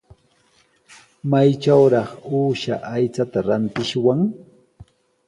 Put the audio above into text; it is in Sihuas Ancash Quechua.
¿Maytrawraq uusha aychata rantishwan?